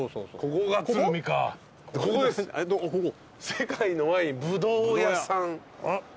世界のワイン葡萄屋さん。